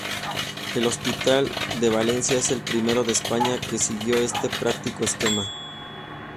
El hospital de Valencia es el primero de España que siguió este práctico esquema.